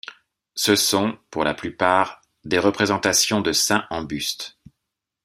Ce sont, pour la plupart, des représentations de saints en buste.